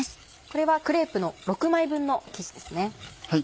これはクレープの６枚分の生地ですね。